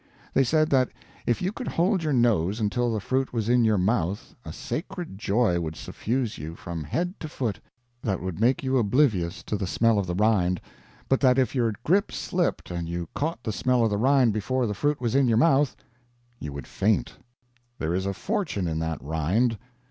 They said that if you could hold your nose until the fruit was in your mouth a sacred joy would suffuse you from head to foot that would make you oblivious to the smell of the rind, but that if your grip slipped and you caught the smell of the rind before the fruit was in your mouth, you would faint. There is a fortune in that rind.